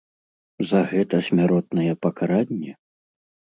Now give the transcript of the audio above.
За гэта смяротнае пакаранне?